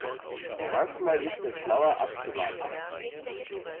Manchmal ist es schlauer abzuwarten.